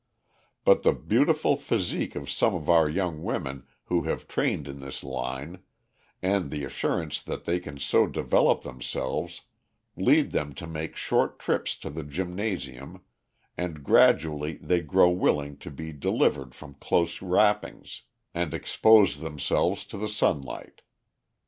But the beautiful physique of some of our young women who have trained in this line, and the assurance that they can so develop themselves, lead them to make short trips to the gymnasium, and gradually they grow willing to be delivered from close wrappings, and expose themselves to the sunlight.